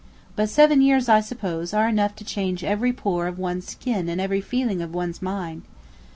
But seven years, I suppose, are enough to change every pore of one's skin and every feeling of one's mind.